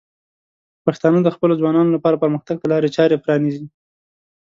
پښتانه د خپلو ځوانانو لپاره پرمختګ ته لارې چارې پرانیزي.